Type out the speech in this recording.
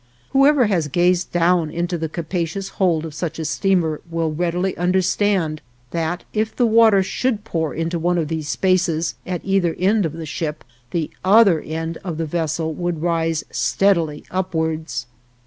Whoever has gazed down into the capacious hold of such a steamer will readily understand that if the water should pour into one of these spaces, at either end of the ship, the other end of the vessel would rise steadily upwards.